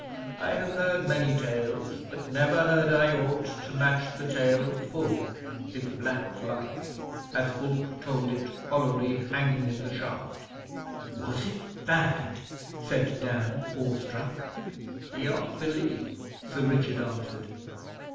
I have heard many tales, but never heard I aught to match the tale of Fulke his black life, as Fulke told it hollowly, hanging in the shaft.' 'Was it bad?' said Dan, awestruck. 'Beyond belief,' Sir Richard answered.